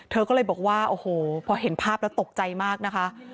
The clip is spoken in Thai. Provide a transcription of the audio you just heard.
เธอก็เลยบอกว่าโอ้โหพอเห็นภาพแล้วตกใจมากนะคะ